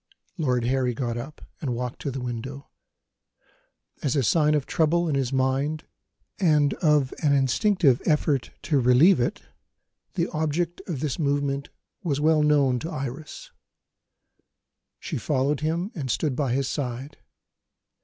Lord Harry got up, and walked to the window. As a sign of trouble in his mind, and of an instinctive effort to relieve it, the object of this movement was well known to Iris. She followed him and stood by his side.